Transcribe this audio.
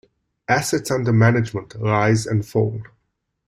Assets under management rise and fall.